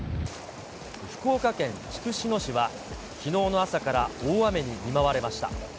福岡県筑紫野市は、きのうの朝から大雨に見舞われました。